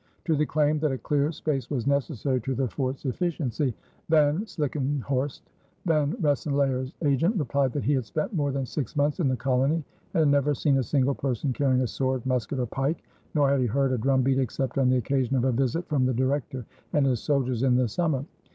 To the claim that a clear space was necessary to the fort's efficiency, Van Slichtenhorst, Van Rensselaer's agent, replied that he had spent more than six months in the colony and had never seen a single person carrying a sword, musket, or pike, nor had he heard a drum beat except on the occasion of a visit from the Director and his soldiers in the summer.